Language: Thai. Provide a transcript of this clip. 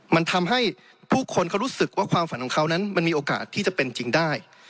มันทำให้ผู้คนเขารู้สึกว่าความฝันของเขานั้นมันมีโอกาสที่จะเป็นจริงได้